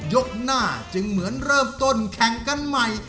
ยกหน้าจึงเหมือนเริ่มต้นแข่งกันใหม่